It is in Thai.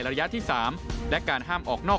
ระยะที่๓และการห้ามออกนอก